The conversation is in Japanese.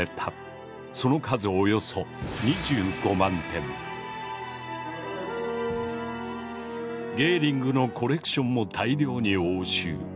その数ゲーリングのコレクションも大量に押収。